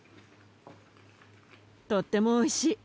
とってもおいしい！